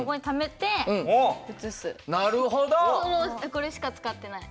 これしか使ってない。